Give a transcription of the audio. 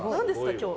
今日。